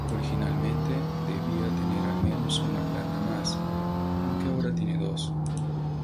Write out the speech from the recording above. Originalmente debía tener al menos una planta más, aunque ahora tiene dos.